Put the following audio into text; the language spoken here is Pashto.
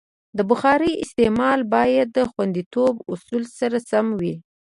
د بخارۍ استعمال باید د خوندیتوب اصولو سره سم وي.